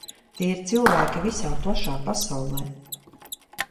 Tie ir cilvēki visā plašā pasaulē.